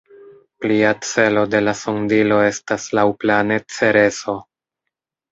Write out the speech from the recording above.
Plia celo de la sondilo estas laŭplane Cereso.